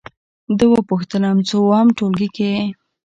ده وپوښتلم: څووم ټولګي کې یې؟